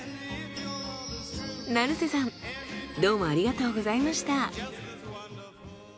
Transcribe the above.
成瀬さんどうもありがとうございました。